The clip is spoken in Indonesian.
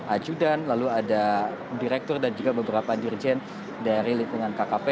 ajudan lalu ada direktur dan juga beberapa dirjen dari lingkungan kkp